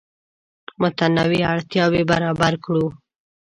متنوع اړتیاوې برابر کړو.